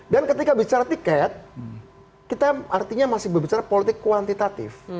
dan ketika bicara tiket kita artinya masih berbicara politik kuantitatif